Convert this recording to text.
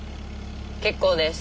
結構です。